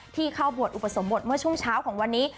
ที่เข้าบวชอุปสมบทเมื่อช่วงเช้าของวันนี้